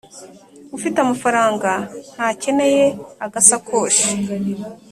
ufite amafaranga ntakeneye agasakoshi.